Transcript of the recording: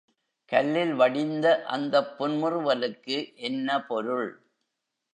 கல்லில் வடிந்த அந்தப் புன்முறுவலுக்கு என்ன பொருள்?